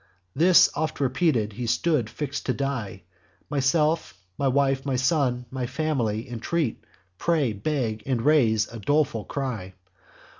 This oft repeated, he stood fix'd to die: Myself, my wife, my son, my family, Intreat, pray, beg, and raise a doleful cry.